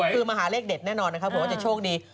คือมาหาเลขเด็ดแน่นอนนะครับเผื่อว่าจะโชคดี